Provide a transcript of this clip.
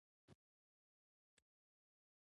الماري د کورنۍ رازونو پټ خزانه ده